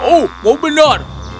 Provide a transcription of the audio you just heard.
oh kau benar